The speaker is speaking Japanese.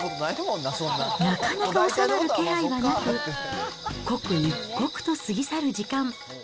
なかなか収まる気配がなく、刻一刻と過ぎ去る時間。